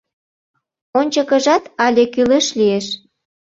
Ончыкыжат але кӱлеш лиеш.